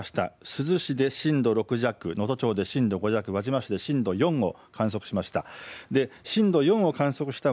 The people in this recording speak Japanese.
珠洲市で震度６弱、能登町で震度５弱、輪島市で震度４を観測しました。